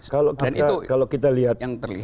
kalau kita lihat